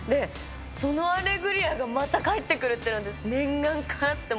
その『アレグリア』がまた帰ってくるっていうので。